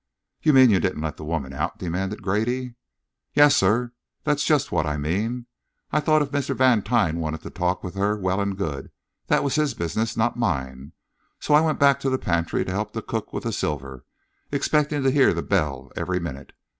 "You mean you didn't let the woman out?" demanded Grady. "Yes, sir, that's just what I mean. I thought if Mr. Vantine wanted to talk with her, well and good; that was his business, not mine; so I went back to the pantry to help the cook with the silver, expecting to hear the bell every minute.